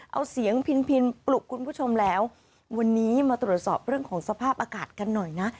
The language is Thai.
เอาเสียงพินพินปลุกคุณผู้ชมแล้ววันนี้มาตรวจสอบเรื่องของสภาพอากาศกันหน่อยนะ